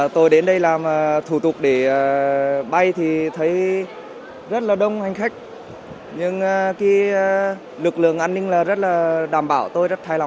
tôi đến đây làm thủ tục để bay thì thấy rất là đông hành khách nhưng lực lượng an ninh là rất là đảm bảo tôi rất hài lòng